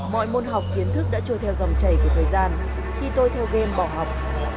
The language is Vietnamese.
mọi môn học kiến thức đã trôi theo dòng chảy của thời gian khi tôi theo game bỏ học